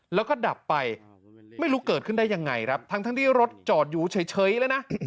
แล้วก็ดับไปไม่รู้เกิดขึ้นได้ยังไงครับทั้งที่รถจอดอยู่เฉยแล้วนะ